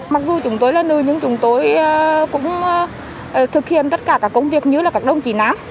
mặc dù chúng tôi là nữ nhưng chúng tôi cũng thực hiện tất cả các công việc như là các đồng chí nam